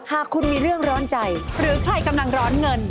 หากคุณมีเรื่องร้อนใจหรือใครกำลังร้อนเงิน